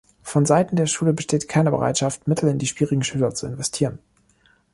Vonseiten der Schule besteht keine Bereitschaft Mittel in die schwierigen Schüler zu investieren.